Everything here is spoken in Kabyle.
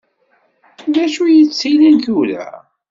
Dacu i d-yettilin tura?